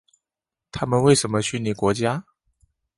他们为什么去你国家？